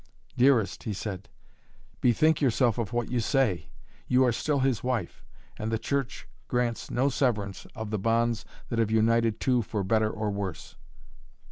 "Dearest," he said, "bethink yourself of what you say! You are still his wife and the Church grants no severance of the bonds that have united two for better or worse."